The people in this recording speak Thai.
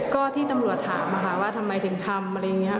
ก็ที่ตำรวจถามค่ะว่าทำไมถึงทำอะไรอย่างนี้ค่ะ